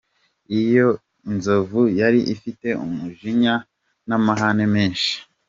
Iyi nzovu yari ifite umujinya n'amahane menshi.